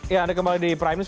ya anda kembali di prime news